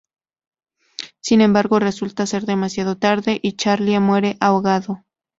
Sin embargo, resulta ser demasiado tarde, y Charlie muere ahogado.